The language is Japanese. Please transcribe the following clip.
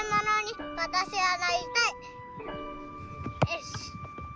よし！